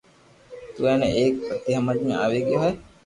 تو ايتي تڪ تو مني ھمج ۾ آوئي گيو ھي